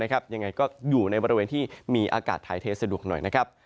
ยังไงก็อยู่ในบริเวณที่มีอากาศถ่ายเทสะดวกหน่อยนะครับ